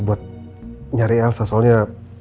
buat nyari elsa soalnya